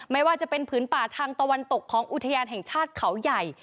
ไม่ว่าจะเป็นผืนป่าทางตะวันตกของอุทยานแห่งชาติเขาใหญ่